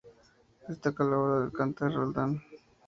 Destaca la obra "El cantar de Roldán".